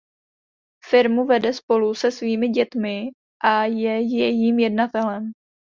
Firmu vede spolu se svými dětmi a je jejím jednatelem.